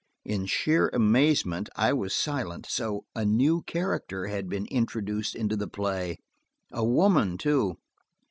In sheer amazement I was silent. So a new character had been introduced into the play–a woman, too!